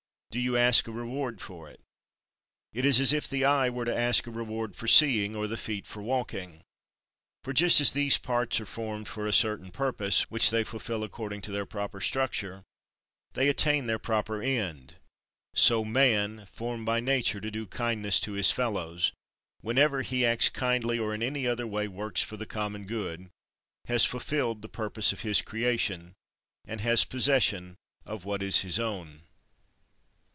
Do you ask a reward for it? It is as if the eye were to ask a reward for seeing, or the feet for walking. For just as these parts are formed for a certain purpose, which when they fulfil according to their proper structure, they attain their proper end; so man, formed by nature to do kindness to his fellows, whenever he acts kindly, or in any other way works for the common good, has fulfilled the purpose of his creation, and has possession of what is his own.